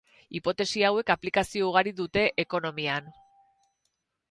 Hipotesi hauek aplikazio ugari dute ekonomian.